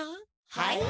はい？